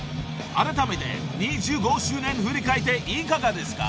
［あらためて２５周年を振り返っていかがですか？］